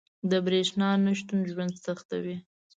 • د برېښنا نه شتون ژوند سختوي.